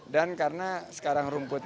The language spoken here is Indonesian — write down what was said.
dan karena sekarang rumput